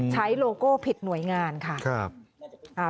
โลโก้ผิดหน่วยงานค่ะ